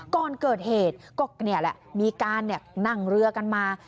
ก่อนเกิดเหตุก็นี่แหละมีการนั่งเรือกันมา